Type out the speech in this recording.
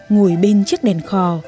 ngồi bên chiếc đèn khò